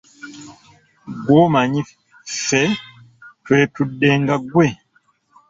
Ggw'omanyi ffe twetudde nga ggwe?